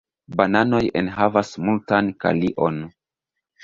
Bananoj enhavas multan kalion.